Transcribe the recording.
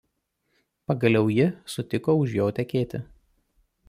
Pagaliau ji sutiko už jo tekėti.